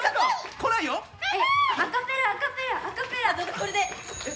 これで！